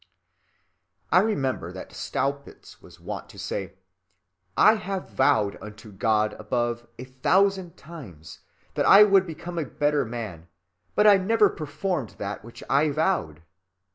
I remember that Staupitz was wont to say, 'I have vowed unto God above a thousand times that I would become a better man: but I never performed that which I vowed.